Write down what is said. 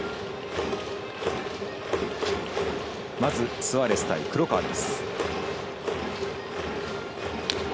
まずスアレス対黒川です。